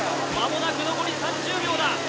間もなく残り３０秒だ。